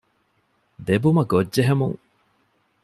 ދެބުމަގޮށް ޖެހެމުން